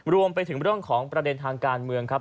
รวมไปถึงเรื่องของประเด็นทางการเมืองครับ